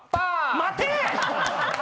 待て！